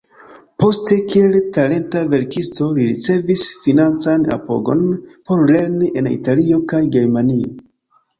Poste, kiel talenta verkisto, li ricevis financan apogon por lerni en Italio kaj Germanio.